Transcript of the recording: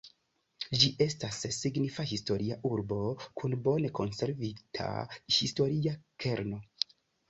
Ĝi estas signifa historia urbo kun bone konservita historia kerno.